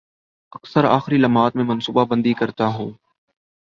اکثر آخری لمحات میں منصوبہ بندی کرتا ہوں